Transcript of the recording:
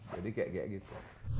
jadi kayak gitu